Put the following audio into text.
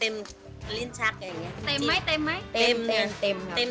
เต็มไหมเต็ม